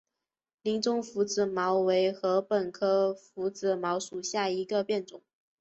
林中拂子茅为禾本科拂子茅属下的一个变种。